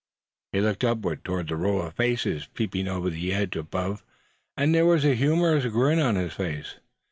He looked upward toward the row of faces peeping over the edge above; and there was a humorous grin on his face.